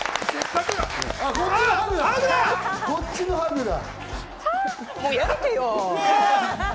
こっちのハグだ！